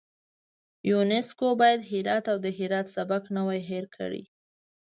یونسکو باید هرات او د هرات سبک نه وای هیر کړی.